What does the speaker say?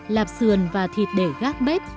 lạp sườn và thịt để gác bếp